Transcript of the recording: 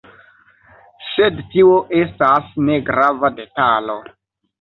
Sed tio estas negrava detalo.